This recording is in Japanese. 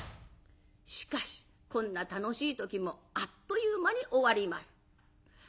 しかしこんな楽しい時もあっという間に終わります。